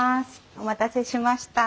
お待たせしました。